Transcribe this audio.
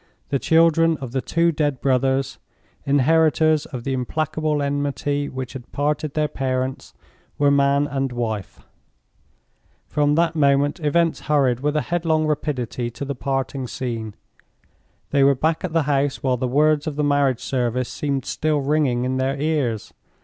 The children of the two dead brothers—inheritors of the implacable enmity which had parted their parents—were Man and Wife. From that moment events hurried with a headlong rapidity to the parting scene. They were back at the house while the words of the Marriage Service seemed still ringing in their ears.